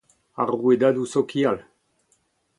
Ar rouedadoù sokial.